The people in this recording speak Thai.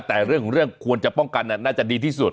แต่เรื่องของเรื่องควรจะป้องกันน่าจะดีที่สุด